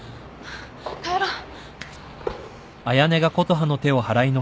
帰ろう。